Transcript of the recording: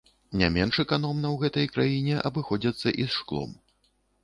Не менш эканомна ў гэтай краіне абыходзяцца і з шклом.